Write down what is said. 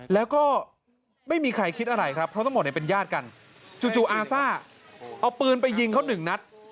แล้วก็ไม่มีใครคิดอะไรครับเพราะทั้งหมดเป็นญาติกันจู่อาซ่าเอาปืนไปยิงเขาหนึ่งนัด